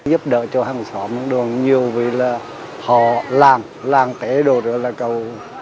giúp đỡ cho hàng xóm đồn nhiều vì là họ làng làng tế đồ đó là cầu